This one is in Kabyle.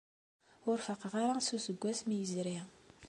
Ur faqeɣ ara s useggas mi yezri.